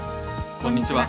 こんにちは。